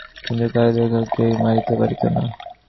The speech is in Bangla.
কিন্তু তাহাদিগকে কেহই মারিতে পারিত না।